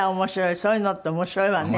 そういうのって面白いわね。